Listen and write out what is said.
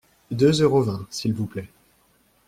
Deux euros vingt, s’il vous plaît.